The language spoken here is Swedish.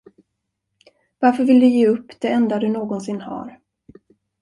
Varför vill du ge upp det enda du någonsin har?